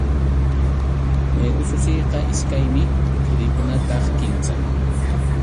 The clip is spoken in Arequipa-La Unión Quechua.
Ususiyqa iskaymi, churiykunataq kimsam.